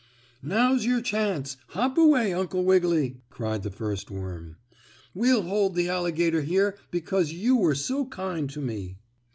"Now's your chance! Hop away, Uncle Wiggily!" cried the first worm. "We'll hold the alligator here because you were so kind to me."